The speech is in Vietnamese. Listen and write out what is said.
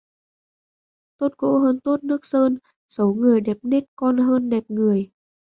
Tốt gỗ hơn tốt nước sơn, xấu người đẹp nết con hơn đẹp người